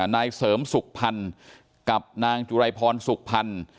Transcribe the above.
นายเสริมสุขพันธ์กับนางจุรายพรสุขพันธ์